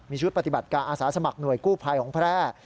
มีชุดปฏิบัติการอาสาสมัครหน่วยกู้ภัยของแพร่